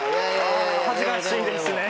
恥ずかしいですね。